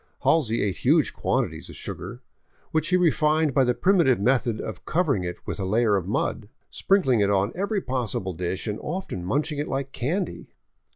Halsey ate huge quantities of sugar — which he refined by the primitive method of covering it with a layer of mud — sprinkling it on every possible dish and often munch ing it like candy.